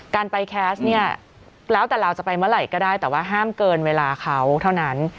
การไปแคสต์เนี่ยแล้วแต่เราจะไปเมื่อไหร่ก็ได้แต่ว่าห้ามเกินเวลาเขาเท่านั้น